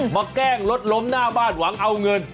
แกล้งรถล้มหน้าบ้านหวังเอาเงิน